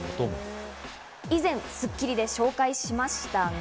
以前、『スッキリ』で紹介しましたが。